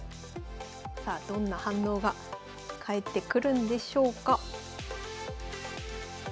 さあどんな反応が返ってくるんでしょうか。